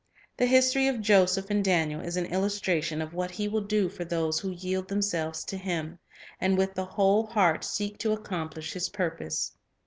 The history of Joseph and Daniel is an illustration of what He will do for those who yield themselves to Him, and with the whole heart seek to accomplish His purpose.